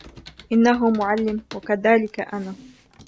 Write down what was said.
إنه معلم وكذلك انا.